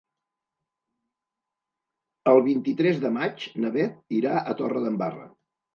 El vint-i-tres de maig na Beth irà a Torredembarra.